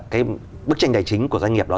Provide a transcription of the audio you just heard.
cái bức tranh tài chính của doanh nghiệp đó